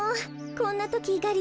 こんなときがり